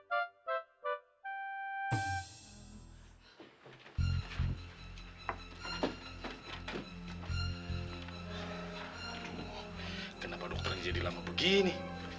kenapa dokter jadi lama begini